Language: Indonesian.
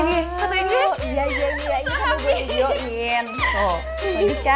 kayaknya birth rules ini percuma